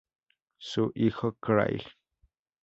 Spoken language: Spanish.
Su hijo Craig Jr.